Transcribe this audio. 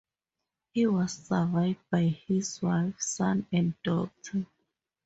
He was survived by his wife, son, and daughter.